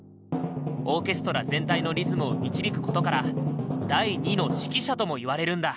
オーケストラ全体のリズムを導くことから「第２の指揮者」とも言われるんだ。